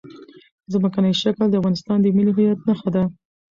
ځمکنی شکل د افغانستان د ملي هویت نښه ده.